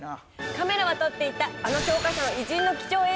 カメラは撮っていたあの教科書の偉人の貴重映像。